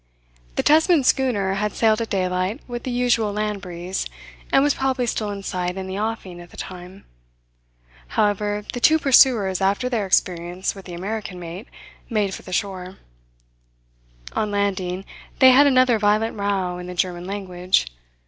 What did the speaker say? The Tesman schooner had sailed at daylight with the usual land breeze, and was probably still in sight in the offing at the time. However, the two pursuers after their experience with the American mate, made for the shore. On landing, they had another violent row in the German language.